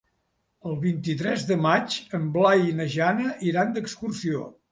El vint-i-tres de maig en Blai i na Jana iran d'excursió.